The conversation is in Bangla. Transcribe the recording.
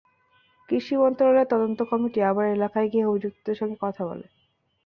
কৃষি মন্ত্রণালয়ের তদন্ত কিমিটি আবার এলাকায় গিয়ে অভিযুক্তদের সঙ্গে কথা বলে।